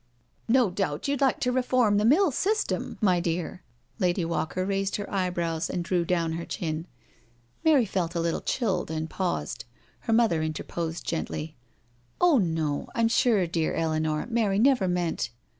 " No doubt you*d like to reform the mill system, my 42 NO SURRENDER dear." Lady Walker raised her eyebrows, and drew down her chin. Mary felt a little chilled, and paused. Her mother interposed gently: " Oh no, I'm sure, dear Eleanor, Mary never meant